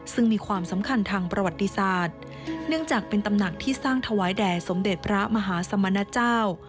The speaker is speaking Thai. ซึ่งมีความสำคัญทางประวัติศาสตร์เนื่องจากเป็นตำหนักที่สร้างถวายแด่สมเด็จพระมหาสมณเจ้า